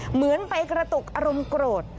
เหมือนไปกระตุกอารมณ์โกรธ